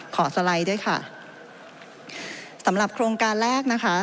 สไลด์ด้วยค่ะสำหรับโครงการแรกนะคะ